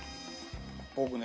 僕ね